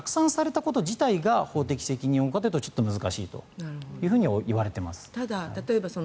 拡散されたこと自体が法的責任を負うかというとちょっと難しいといわれています。